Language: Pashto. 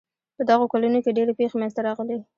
په دغو کلونو کې ډېرې پېښې منځته راغلې.